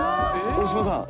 大島さん。